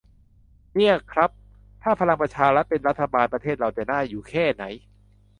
"เนี่ยครับ ถ้าพลังประชารัฐเป็นรัฐบาล ประเทศเราจะน่าอยู่แค่ไหน"